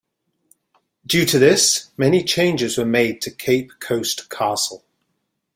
Due to this, many changes were made to Cape Coast Castle.